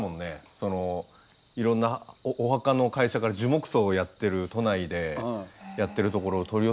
そのいろんなお墓の会社から樹木葬をやってる都内でやってるところを取り寄せるぐらい。